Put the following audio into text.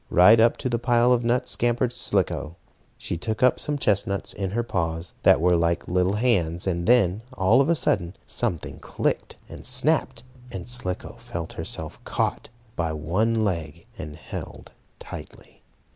Right up to the pile of nuts scampered Slicko. She took up some chestnuts in her paws, that were like little hands, and then, all of a sudden, something clicked, and snapped, and Slicko felt herself caught by one leg, and held tightly.